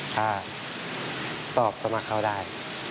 ถ้าสอบสมัครเข้าได้